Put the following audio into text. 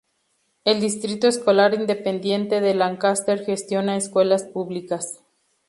El Distrito Escolar Independiente de Lancaster gestiona escuelas públicas.